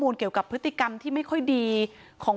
พูดใหญ่บ้านเคยขู่ถึงขั้นจะฆ่าให้ตายด้วยค่ะ